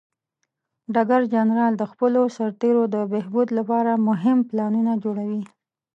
ډګر جنرال د خپلو سرتیرو د بهبود لپاره مهم پلانونه جوړوي.